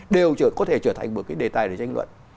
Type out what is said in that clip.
đều có thể trở thành một cái đề tài để tranh luận